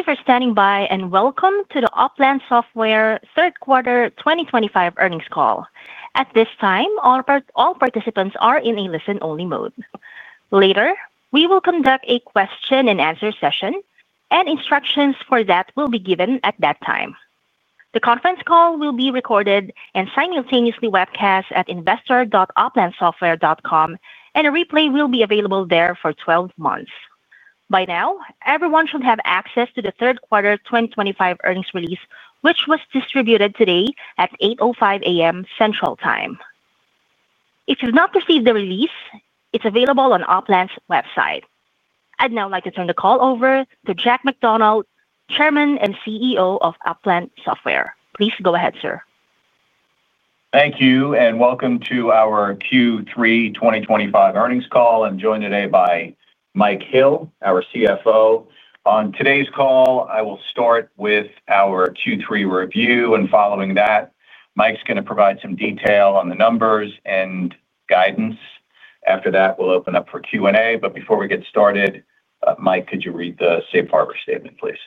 Thank you for standing by and welcome to the Upland Software third quarter 2025 earnings call. At this time, all participants are in a listen-only mode. Later, we will conduct a question-and-answer session, and instructions for that will be given at that time. The conference call will be recorded and simultaneously webcast at investor.uplandsoftware.com, and a replay will be available there for 12 months. By now, everyone should have access to the third quarter 2025 earnings release, which was distributed today at 8:05 A.M. Central Time. If you've not received the release, it's available on Upland's website. I'd now like to turn the call over to Jack McDonald, Chairman and CEO of Upland Software. Please go ahead, sir. Thank you, and welcome to our Q3 2025 earnings call. I'm joined today by Mike Hill, our CFO. On today's call, I will start with our Q3 review, and following that, Mike's going to provide some detail on the numbers and guidance. After that, we'll open up for Q&A. Before we get started, Mike, could you read the Safe Harbor statement, please?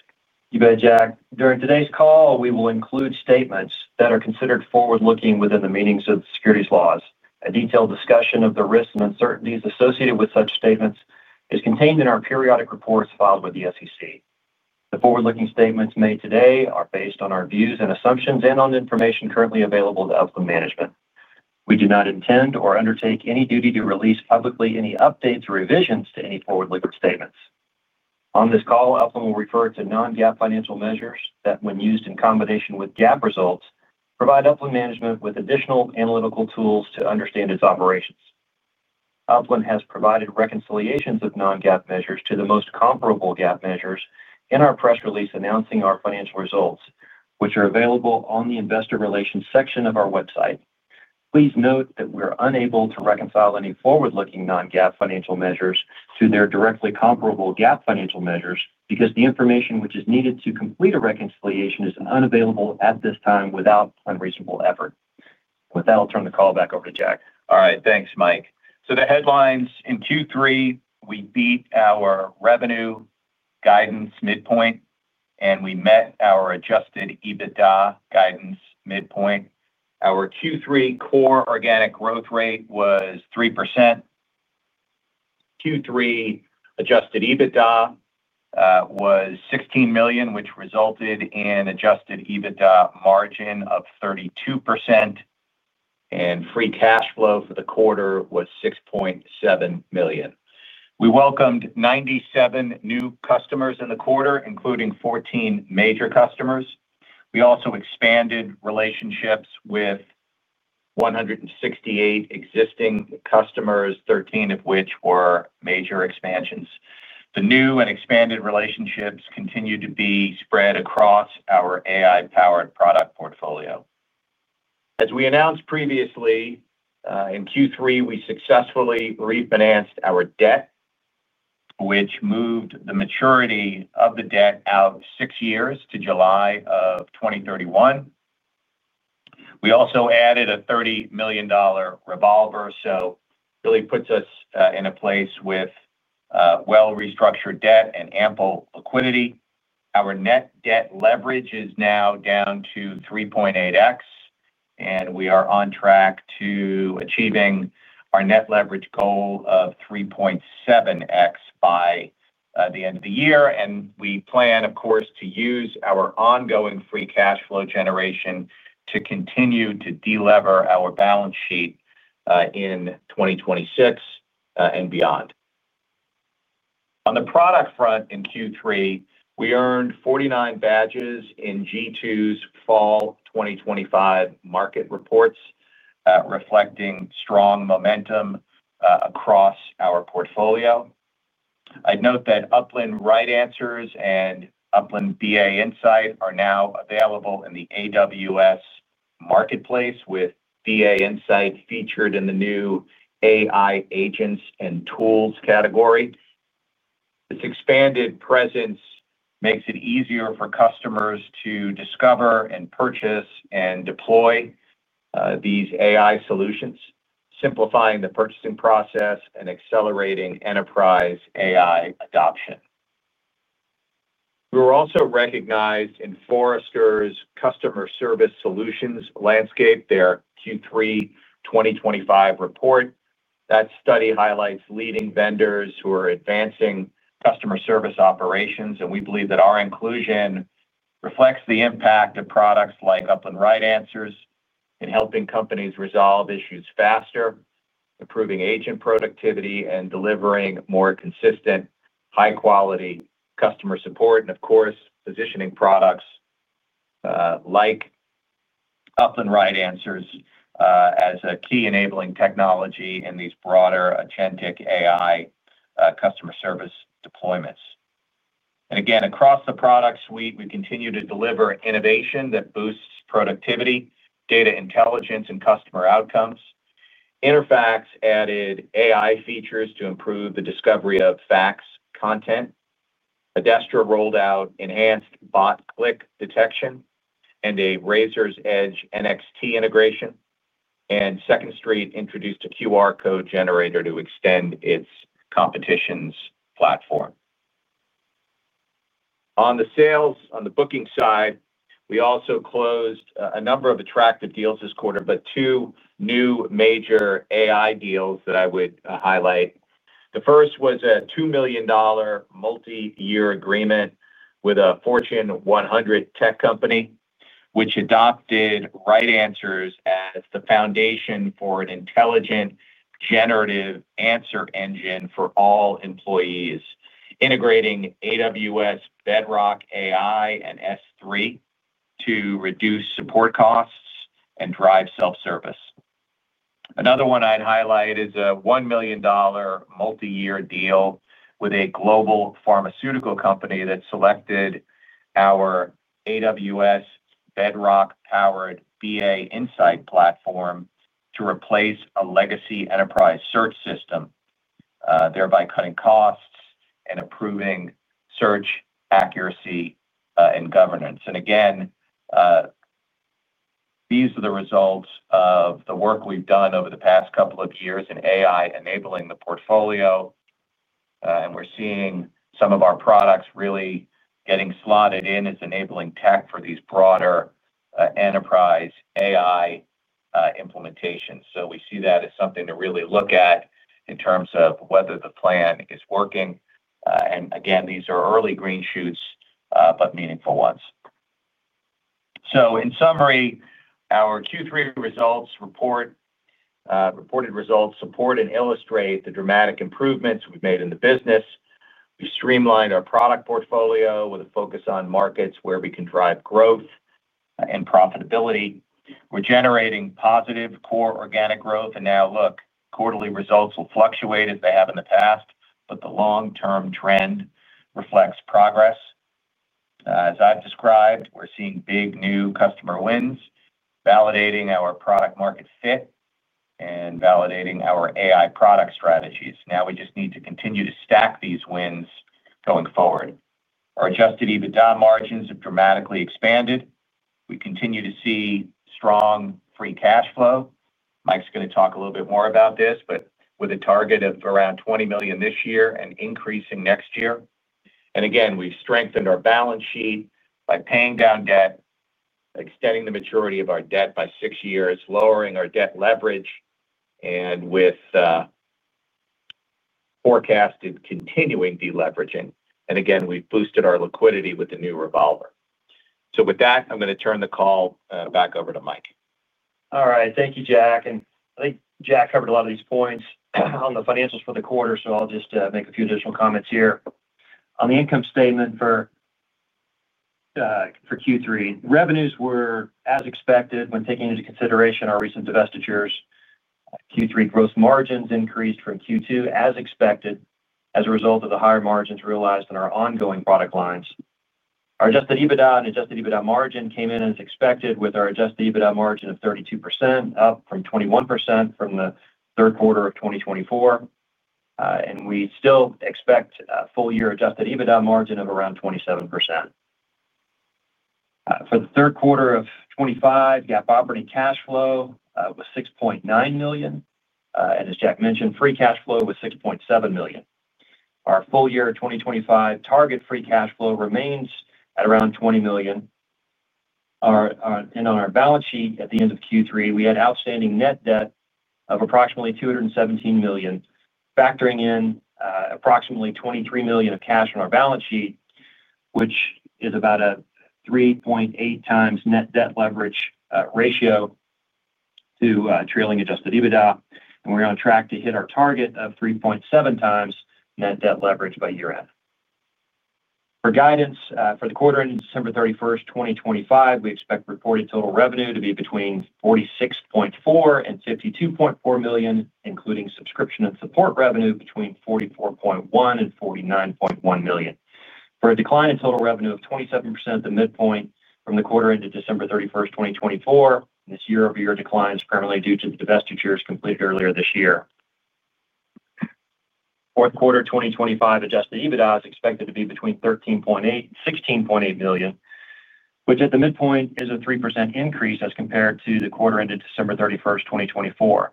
You bet, Jack. During today's call, we will include statements that are considered forward-looking within the meanings of the securities laws. A detailed discussion of the risks and uncertainties associated with such statements is contained in our periodic reports filed with the SEC. The forward-looking statements made today are based on our views and assumptions and on information currently available to Upland Management. We do not intend or undertake any duty to release publicly any updates or revisions to any forward-looking statements. On this call, Upland will refer to non-GAAP financial measures that, when used in combination with GAAP results, provide Upland Management with additional analytical tools to understand its operations. Upland has provided reconciliations of non-GAAP measures to the most comparable GAAP measures in our press release announcing our financial results, which are available on the investor relations section of our website. Please note that we are unable to reconcile any forward-looking non-GAAP financial measures to their directly comparable GAAP financial measures because the information which is needed to complete a reconciliation is unavailable at this time without unreasonable effort. With that, I'll turn the call back over to Jack. All right. Thanks, Mike. The headlines: in Q3, we beat our revenue guidance midpoint, and we met our adjusted EBITDA guidance midpoint. Our Q3 core organic growth rate was 3%. Q3 adjusted EBITDA was $16 million, which resulted in adjusted EBITDA margin of 32%. Free cash flow for the quarter was $6.7 million. We welcomed 97 new customers in the quarter, including 14 major customers. We also expanded relationships with 168 existing customers, 13 of which were major expansions. The new and expanded relationships continue to be spread across our AI-powered product portfolio. As we announced previously, in Q3, we successfully refinanced our debt, which moved the maturity of the debt out six years to July of 2031. We also added a $30 million revolver, so it really puts us in a place with well-restructured debt and ample liquidity. Our net debt leverage is now down to 3.8x, and we are on track to achieving our net leverage goal of 3.7x by the end of the year. We plan, of course, to use our ongoing free cash flow generation to continue to delever our balance sheet in 2026 and beyond. On the product front, in Q3, we earned 49 badges in G2's fall 2025 market reports, reflecting strong momentum across our portfolio. I'd note that Upland RightAnswers and Upland BA Insight are now available in the AWS marketplace, with BA Insight featured in the new AI Agents and Tools category. This expanded presence makes it easier for customers to discover and purchase and deploy these AI solutions, simplifying the purchasing process and accelerating enterprise AI adoption. We were also recognized in Forrester's customer service solutions landscape, their Q3 2025 report. That study highlights leading vendors who are advancing customer service operations, and we believe that our inclusion reflects the impact of products like Upland RightAnswers in helping companies resolve issues faster, improving agent productivity, and delivering more consistent, high-quality customer support. Of course, positioning products like Upland RightAnswers as a key enabling technology in these broader Agentic AI customer service deployments. Again, across the product suite, we continue to deliver innovation that boosts productivity, data intelligence, and customer outcomes. InterFAX added AI features to improve the discovery of fax content. Adestra rolled out enhanced bot click detection and a Raiser's Edge NXT integration, and Second Street introduced a QR code generator to extend its competition platform. On the sales, on the booking side, we also closed a number of attractive deals this quarter, but two new major AI deals that I would highlight. The first was a $2 million multi-year agreement with a Fortune 100 tech company, which adopted RightAnswers as the foundation for an intelligent generative answer engine for all employees, integrating AWS Bedrock AI and S3 to reduce support costs and drive self-service. Another one I'd highlight is a $1 million multi-year deal with a global pharmaceutical company that selected our AWS Bedrock-powered BA Insight platform to replace a legacy enterprise search system, thereby cutting costs and improving search accuracy and governance. These are the results of the work we've done over the past couple of years in AI enabling the portfolio. We're seeing some of our products really getting slotted in as enabling tech for these broader enterprise AI implementations. We see that as something to really look at in terms of whether the plan is working. These are early green shoots, but meaningful ones. In summary, our Q3 results report. Reported results support and illustrate the dramatic improvements we have made in the business. We streamlined our product portfolio with a focus on markets where we can drive growth and profitability. We are generating positive core organic growth. Quarterly results will fluctuate as they have in the past, but the long-term trend reflects progress. As I have described, we are seeing big new customer wins, validating our product-market fit and validating our AI product strategies. Now we just need to continue to stack these wins going forward. Our adjusted EBITDA margins have dramatically expanded. We continue to see strong free cash flow. Mike is going to talk a little bit more about this, but with a target of around $20 million this year and increasing next year. We've strengthened our balance sheet by paying down debt, extending the maturity of our debt by six years, lowering our debt leverage, with forecasted continuing deleveraging. We've boosted our liquidity with the new revolver. With that, I'm going to turn the call back over to Mike. All right. Thank you, Jack. I think Jack covered a lot of these points on the financials for the quarter, so I'll just make a few additional comments here. On the income statement for Q3, revenues were as expected when taking into consideration our recent divestitures. Q3 gross margins increased from Q2, as expected, as a result of the higher margins realized in our ongoing product lines. Our adjusted EBITDA and adjusted EBITDA margin came in as expected with our adjusted EBITDA margin of 32%, up from 21% from the third quarter of 2024. We still expect full-year adjusted EBITDA margin of around 27%. For the third quarter of 2025, GAAP operating cash flow was $6.9 million. As Jack mentioned, free cash flow was $6.7 million. Our full-year 2025 target free cash flow remains at around $20 million. On our balance sheet at the end of Q3, we had outstanding net debt of approximately $217 million, factoring in approximately $23 million of cash on our balance sheet, which is about a 3.8x net debt leverage ratio to trailing adjusted EBITDA. We are on track to hit our target of 3.7x net debt leverage by year-end. For guidance, for the quarter ending December 31st, 2025, we expect reported total revenue to be between $46.4 million-$52.4 million, including subscription and support revenue between $44.1 million-$49.1 million. This represents a decline in total revenue of 27% at the midpoint from the quarter ended December 31st, 2024. This year-over-year decline is primarily due to the divestitures completed earlier this year. Fourth quarter 2025 adjusted EBITDA is expected to be between $13.8 million and $16.8 million, which at the midpoint is a 3% increase as compared to the quarter ended December 31st, 2024.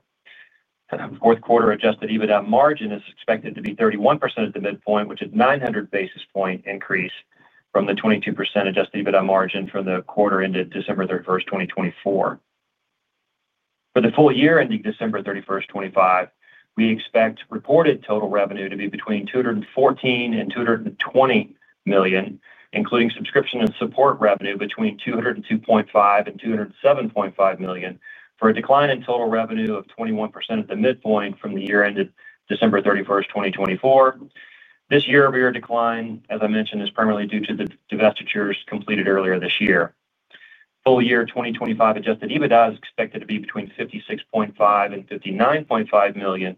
Fourth quarter adjusted EBITDA margin is expected to be 31% at the midpoint, which is a 900 basis point increase from the 22% adjusted EBITDA margin from the quarter ended December 31st, 2024. For the full year ending December 31st, 2025, we expect reported total revenue to be between $214 million and $220 million, including subscription and support revenue between $202.5 million and $207.5 million, for a decline in total revenue of 21% at the midpoint from the year ended December 31st, 2024. This year-over-year decline, as I mentioned, is primarily due to the divestitures completed earlier this year. Full year 2025 adjusted EBITDA is expected to be between $56.5 million and $59.5 million,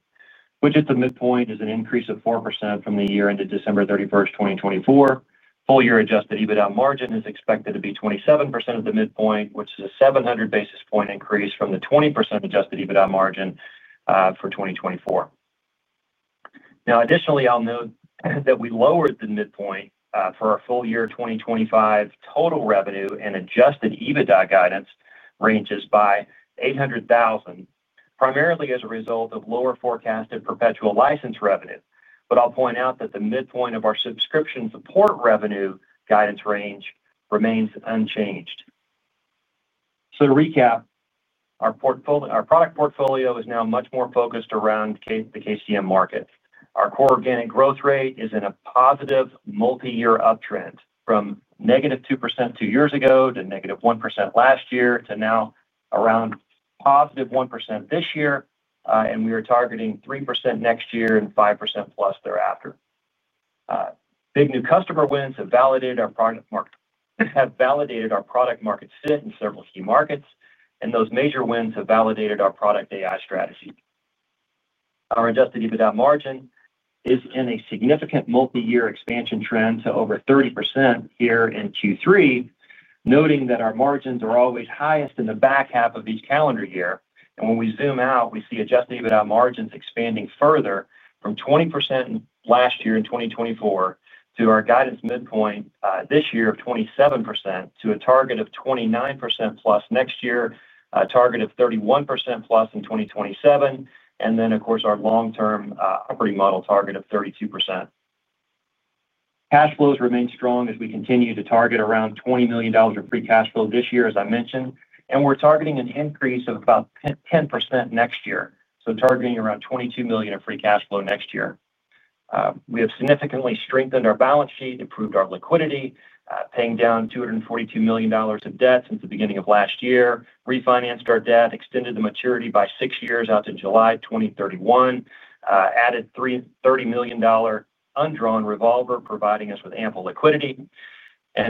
which at the midpoint is an increase of 4% from the year ended December 31st, 2024. Full-year adjusted EBITDA margin is expected to be 27% at the midpoint, which is a 700 basis point increase from the 20% adjusted EBITDA margin for 2024. Now, additionally, I'll note that we lowered the midpoint for our full year 2025 total revenue and adjusted EBITDA guidance ranges by $800,000, primarily as a result of lower forecasted perpetual license revenue. But I'll point out that the midpoint of our subscription and support revenue guidance range remains unchanged. So to recap, our product portfolio is now much more focused around the KCM market. Our core organic growth rate is in a positive multi-year uptrend from -2% two years ago to -1% last year to now around. +1% this year, and we are targeting 3% next year and 5%+ thereafter. Big new customer wins have validated our product market fit in several key markets, and those major wins have validated our product AI strategy. Our adjusted EBITDA margin is in a significant multi-year expansion trend to over 30% here in Q3. Noting that our margins are always highest in the back half of each calendar year. When we zoom out, we see adjusted EBITDA margins expanding further from 20% last year in 2024 to our guidance midpoint this year of 27% to a target of 29%+ next year, a target of 31%+ in 2027, and then, of course, our long-term operating model target of 32%. Cash flows remain strong as we continue to target around $20 million of free cash flow this year, as I mentioned, and we're targeting an increase of about 10% next year, so targeting around $22 million of free cash flow next year. We have significantly strengthened our balance sheet, improved our liquidity, paying down $242 million of debt since the beginning of last year, refinanced our debt, extended the maturity by six years out to July 2031. Added $30 million undrawn revolver, providing us with ample liquidity.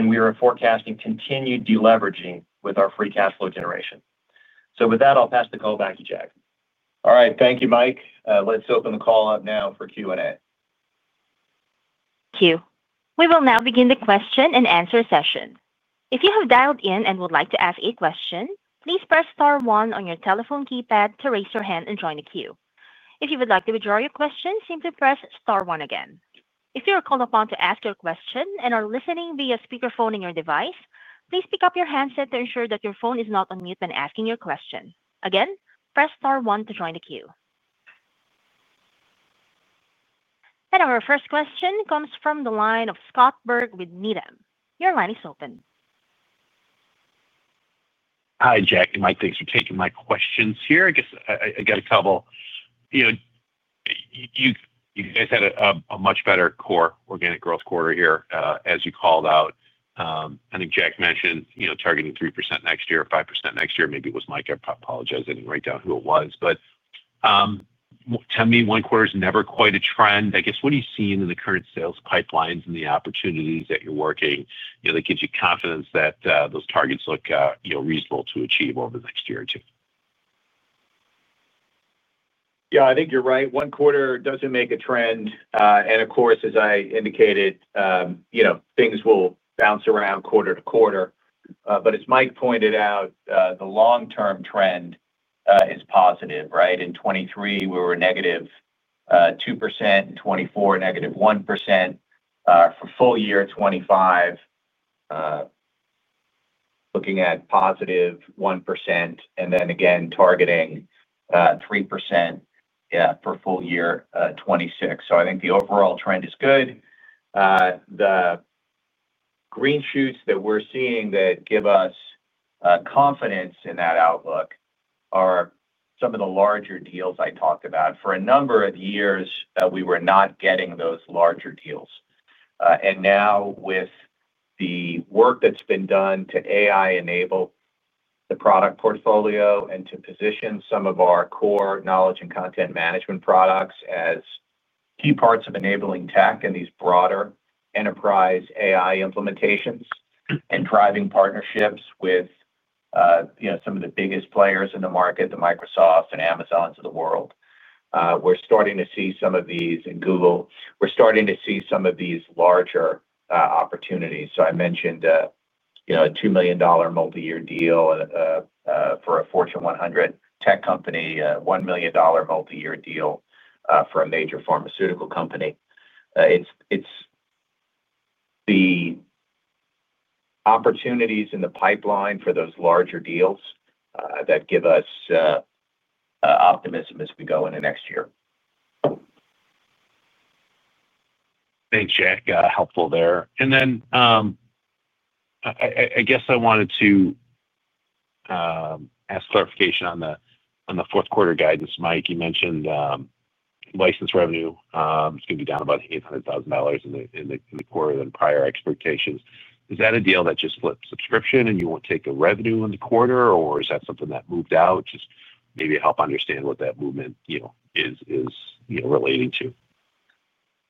We are forecasting continued deleveraging with our free cash flow generation. With that, I'll pass the call back to Jack. All right. Thank you, Mike. Let's open the call up now for Q&A. Thank you. We will now begin the question and answer session. If you have dialed in and would like to ask a question, please press star one on your telephone keypad to raise your hand and join the queue. If you would like to withdraw your question, simply press star one again. If you are called upon to ask your question and are listening via speakerphone in your device, please pick up your handset to ensure that your phone is not on mute when asking your question. Again, press star one to join the queue. Our first question comes from the line of Scott Berg with Needham. Your line is open. Hi, Jack and Mike. Thanks for taking my questions here. I guess I got a couple. You guys had a much better core organic growth quarter here, as you called out. I think Jack mentioned targeting 3% next year, 5% next year. Maybe it was Mike. I apologize. I didn't write down who it was. Tell me one quarter is never quite a trend. I guess, what are you seeing in the current sales pipelines and the opportunities that you're working that gives you confidence that those targets look reasonable to achieve over the next year or two? Yeah, I think you're right. One quarter doesn't make a trend. Of course, as I indicated, things will bounce around quarter to quarter. As Mike pointed out, the long-term trend is positive, right? In 2023, we were -2%. In 2024, -1%. For full year 2025, looking at +1%, and then again, targeting 3% for full year 2026. I think the overall trend is good. The green shoots that we're seeing that give us confidence in that outlook are some of the larger deals I talked about. For a number of years, we were not getting those larger deals. Now, with the work that's been done to AI enable the product portfolio and to position some of our core knowledge and content management products as key parts of enabling tech in these broader enterprise AI implementations and driving partnerships with. Some of the biggest players in the market, the Microsoft and Amazons of the world. We're starting to see some of these in Google. We're starting to see some of these larger opportunities. I mentioned a $2 million multi-year deal for a Fortune 100 tech company, a $1 million multi-year deal for a major pharmaceutical company. It's the opportunities in the pipeline for those larger deals that give us optimism as we go into next year. Thanks, Jack. Helpful there. I guess I wanted to ask clarification on the fourth quarter guidance, Mike. You mentioned license revenue. It's going to be down about $800,000 in the quarter than prior expectations. Is that a deal that just flipped subscription and you won't take the revenue in the quarter, or is that something that moved out? Just maybe help understand what that movement is relating to.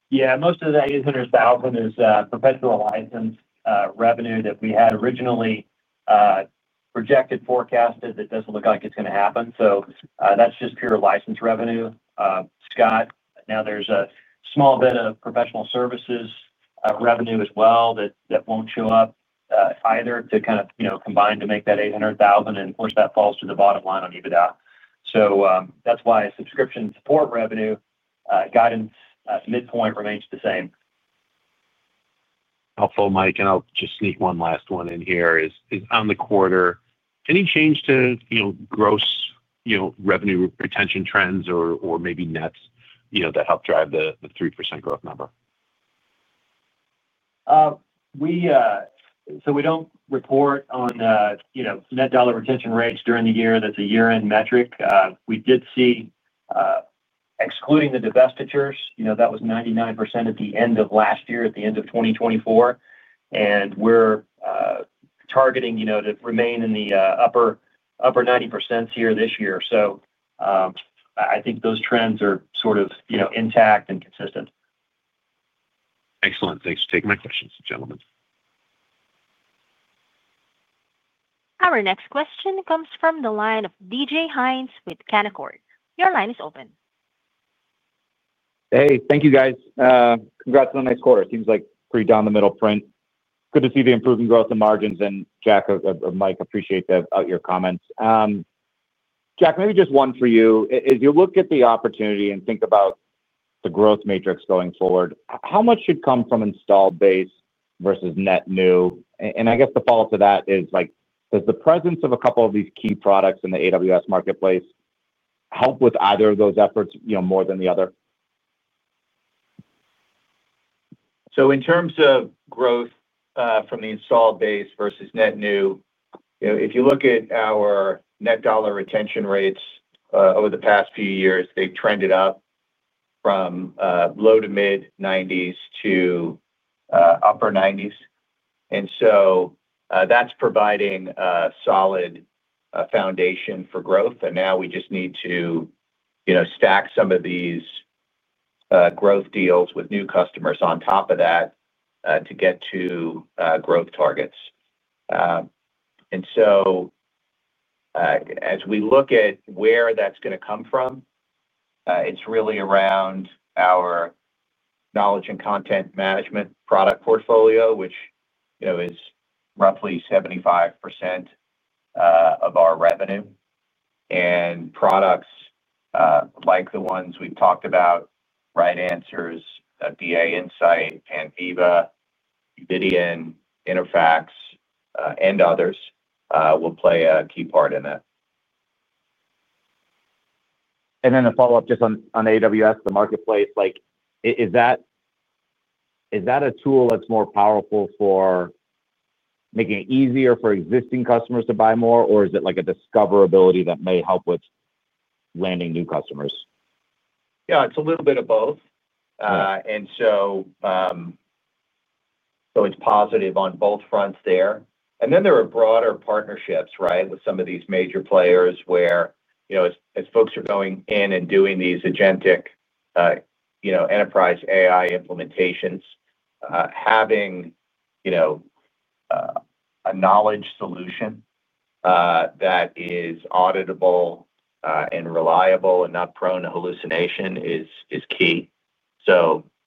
Yeah, most of that $800,000 is professional license revenue that we had originally projected, forecasted that does not look like it is going to happen. That is just pure license revenue. Scott, now there is a small bit of professional services revenue as well that will not show up either to kind of combine to make that $800,000, and of course, that falls to the bottom line on EBITDA. That is why subscription support revenue guidance midpoint remains the same. Helpful, Mike. I'll just sneak one last one in here. On the quarter, any change to gross revenue retention trends or maybe nets that help drive the 3% growth number? We do not report on net dollar retention rates during the year. That is a year-end metric. We did see, excluding the divestitures, that was 99% at the end of last year, at the end of 2024. We are targeting to remain in the upper 90% here this year. I think those trends are sort of intact and consistent. Excellent. Thanks for taking my questions, gentlemen. Our next question comes from the line of D.J. Hynes with Canaccord. Your line is open. Hey, thank you, guys. Congrats on the next quarter. Seems like pretty down the middle print. Good to see the improving growth in margins. Jack or Mike, appreciate your comments. Jack, maybe just one for you. As you look at the opportunity and think about the growth matrix going forward, how much should come from installed base versus net new? I guess the follow-up to that is, does the presence of a couple of these key products in the AWS marketplace help with either of those efforts more than the other? In terms of growth from the installed base versus net new, if you look at our net dollar retention rates over the past few years, they've trended up from low to mid-90s to upper 90s. That's providing a solid foundation for growth. Now we just need to stack some of these growth deals with new customers on top of that to get to growth targets. As we look at where that's going to come from, it's really around our knowledge and content management product portfolio, which is roughly 75% of our revenue. Products like the ones we've talked about, RightAnswers, BA Insight, PanViva, Qvidian, InterFAX, and others will play a key part in that. A follow-up just on AWS, the marketplace, is that a tool that's more powerful for making it easier for existing customers to buy more, or is it like a discoverability that may help with landing new customers? Yeah, it's a little bit of both. It's positive on both fronts there. There are broader partnerships, right, with some of these major players where, as folks are going in and doing these agentic enterprise AI implementations, having a knowledge solution that is auditable and reliable and not prone to hallucination is key.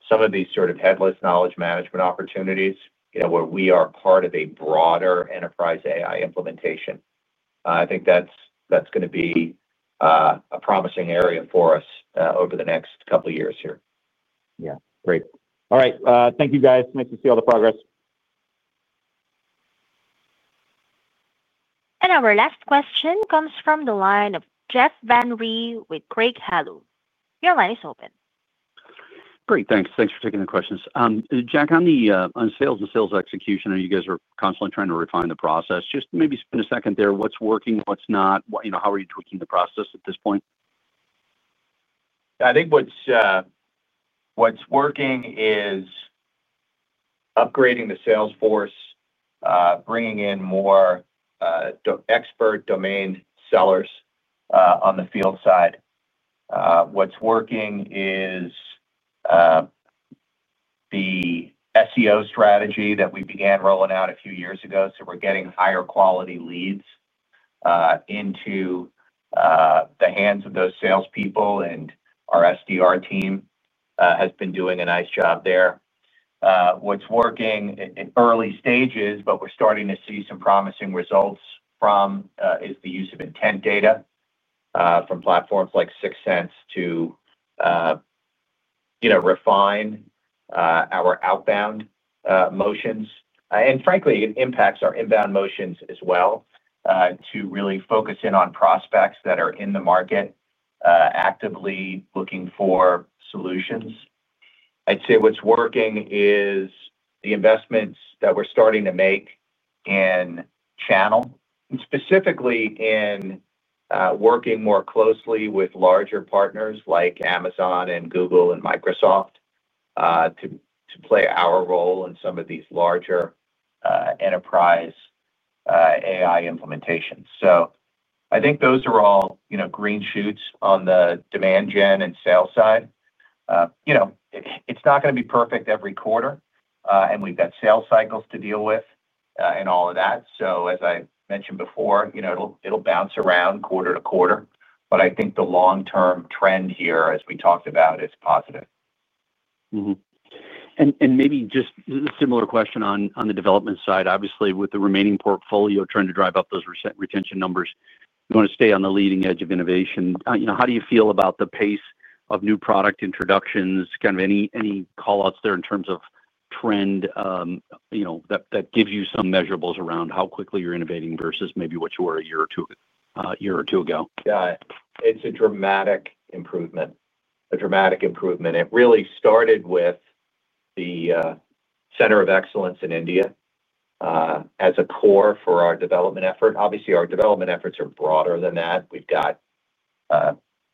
Some of these sort of headless knowledge management opportunities where we are part of a broader enterprise AI implementation, I think that's going to be a promising area for us over the next couple of years here. Yeah. Great. All right. Thank you, guys. Nice to see all the progress. Our last question comes from the line of Jeff Van Rhee with Craig-Hallum. Your line is open. Great. Thanks. Thanks for taking the questions. Jack, on sales and sales execution, you guys are constantly trying to refine the process. Just maybe spend a second there. What's working, what's not? How are you tweaking the process at this point? I think what's working is upgrading the sales force, bringing in more expert domain sellers on the field side. What's working is the SEO strategy that we began rolling out a few years ago, so we're getting higher quality leads into the hands of those salespeople, and our SDR team has been doing a nice job there. What's working in early stages, but we're starting to see some promising results from, is the use of intent data from platforms like 6sense to refine our outbound motions. Frankly, it impacts our inbound motions as well, to really focus in on prospects that are in the market actively looking for solutions. I'd say what's working is the investments that we're starting to make in channel, specifically in working more closely with larger partners like Amazon, Google, and Microsoft to play our role in some of these larger enterprise AI implementations. I think those are all green shoots on the demand gen and sales side. It's not going to be perfect every quarter, and we've got sales cycles to deal with. And all of that. As I mentioned before, it'll bounce around quarter-to-quarter. I think the long-term trend here, as we talked about, is positive. Maybe just a similar question on the development side. Obviously, with the remaining portfolio trying to drive up those retention numbers, you want to stay on the leading edge of innovation. How do you feel about the pace of new product introductions? Kind of any callouts there in terms of trend? That gives you some measurables around how quickly you're innovating versus maybe what you were a year or two ago. Got it. It's a dramatic improvement. It really started with the Center of Excellence in India as a core for our development effort. Obviously, our development efforts are broader than that. We've got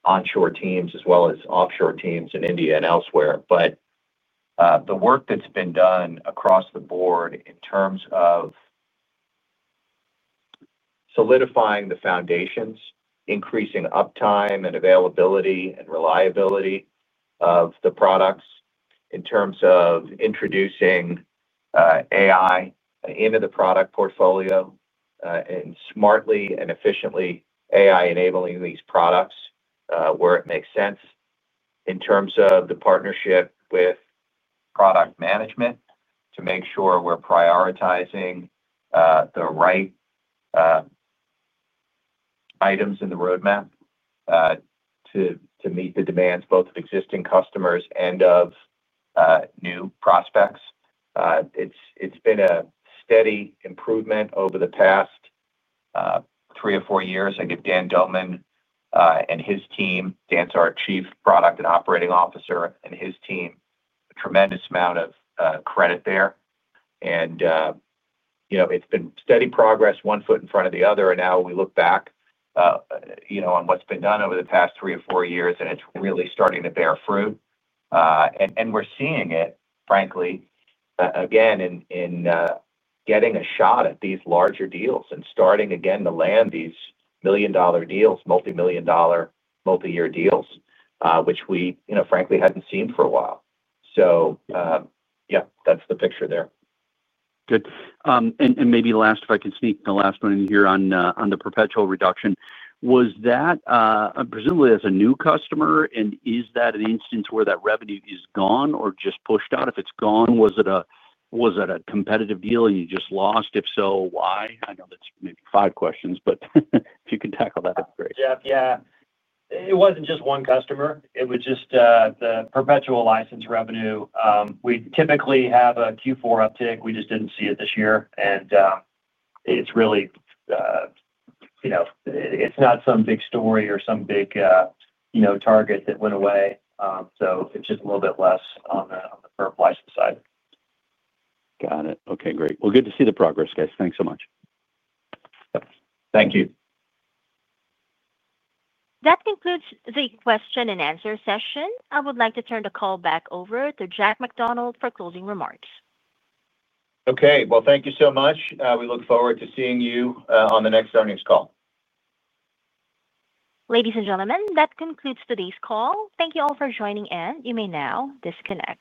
onshore teams as well as offshore teams in India and elsewhere. The work that's been done across the board in terms of solidifying the foundations, increasing uptime and availability and reliability of the products, in terms of introducing AI into the product portfolio, and smartly and efficiently AI-enabling these products where it makes sense. In terms of the partnership with product management to make sure we're prioritizing the right items in the roadmap to meet the demands both of existing customers and of new prospects. It's been a steady improvement over the past 3-4 years. I give Dan Doman and his team, Dan's our Chief Product and Operating Officer, and his team a tremendous amount of credit there. It's been steady progress, one foot in front of the other. Now we look back on what's been done over the past three or four years, and it's really starting to bear fruit. We're seeing it, frankly, again, in getting a shot at these larger deals and starting again to land these million-dollar deals, multi-million-dollar, multi-year deals, which we, frankly, hadn't seen for a while. Yeah, that's the picture there. Good. Maybe last, if I can sneak the last one in here on the perpetual reduction. Was that, presumably, as a new customer, and is that an instance where that revenue is gone or just pushed out? If it's gone, was it a competitive deal and you just lost? If so, why? I know that's maybe five questions, but if you can tackle that, that'd be great. Yeah. Yeah. It wasn't just one customer. It was just the perpetual license revenue. We typically have a Q4 uptick. We just didn't see it this year. It's really, it's not some big story or some big target that went away. It's just a little bit less on the perp license side. Got it. Okay. Great. Good to see the progress, guys. Thanks so much. Thank you. That concludes the question-and-answer session. I would like to turn the call back over to Jack McDonald for closing remarks. Okay. Thank you so much. We look forward to seeing you on the next earnings call. Ladies and gentlemen, that concludes today's call. Thank you all for joining in. You may now disconnect.